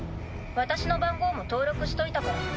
私の番号も登録しといたから。